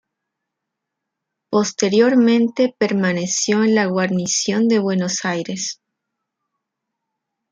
Posteriormente permaneció en la guarnición de Buenos Aires.